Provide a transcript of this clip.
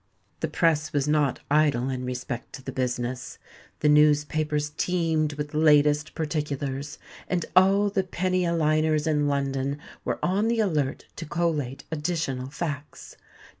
The press was not idle in respect to the business. The newspapers teemed with "Latest Particulars;" and all the penny a liners in London were on the alert to collate additional facts.